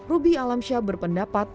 ruby alamsyah berpendapat